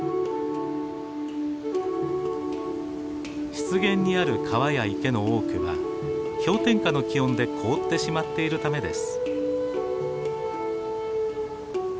湿原にある川や池の多くは氷点下の気温で凍ってしまっているためです。